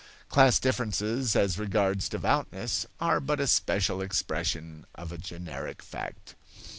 Class differences as regards devoutness are but a special expression of a generic fact.